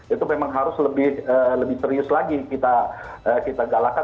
itu memang harus lebih serius lagi kita galakan